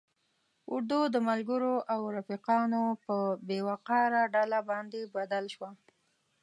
اردو د ملګرو او رفیقانو په بې وقاره ډله باندې بدل شوه.